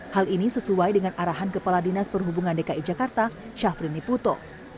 hal ini sesuai dengan arahan kepala dinas perhubungan dki jakarta syafrin niputo